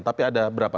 tapi ada berapa